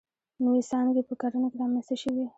نوې څانګې په کرنه کې رامنځته شوې.